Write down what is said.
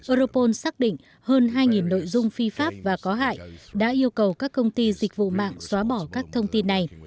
europol xác định hơn hai nội dung phi pháp và có hại đã yêu cầu các công ty dịch vụ mạng xóa bỏ các thông tin này